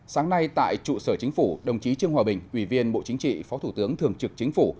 sáng nay tại trụ sở chính phủ đồng chí trương hòa bình ủy viên bộ chính trị phó thủ tướng thường trực chính phủ